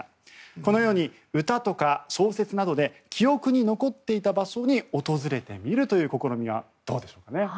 このように歌とか小説などで記憶に残っていた場所を訪れてみるという試みはどうでしょうかね。